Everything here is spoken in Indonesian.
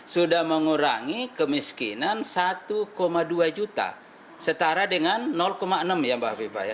sudah mengurangi kemiskinan satu dua juta setara dengan enam ya mbak viva ya